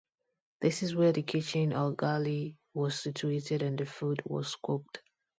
This is where the kitchen, or galley, was situated and the food was cooked.